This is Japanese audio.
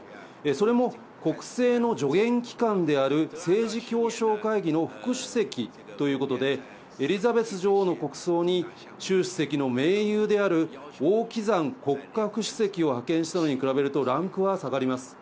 それも、国政の助言機関である政治協商会議の副主席ということで、エリザベス女王の国葬に習主席の盟友である王岐山国家副主席を派遣したのに比べると、ランクは下がります。